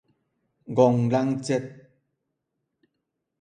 愚人節